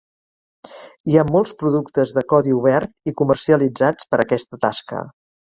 Hi ha molts productes de codi obert i comercialitzats per a aquesta tasca.